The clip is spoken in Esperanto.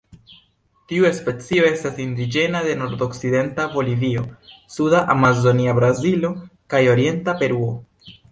Tiu specio estas indiĝena de nordokcidenta Bolivio, suda Amazonia Brazilo kaj orienta Peruo.